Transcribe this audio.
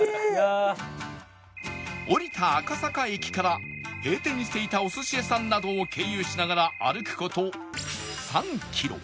降りた赤坂駅から閉店していたお寿司屋さんなどを経由しながら歩く事３キロ